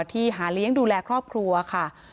ที่หาเลี้ยงดูแลครอบครัวค่ะ